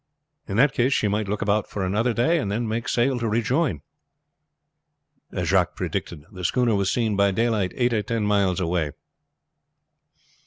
In that case she might look about for another day and then make sail to rejoin." As Jacques predicted the schooner was seen by daylight eight or ten miles away.